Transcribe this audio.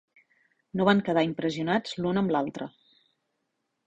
No van quedar impressionats l'un amb l'altre.